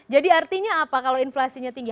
jadi artinya apa kalau inflasinya tinggi